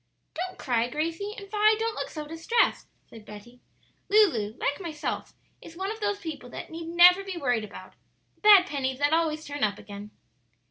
"Don't cry, Gracie; and, Vi, don't look so distressed," said Betty. "Lulu, like myself, is one of those people that need never be worried about the bad pennies that always turn up again."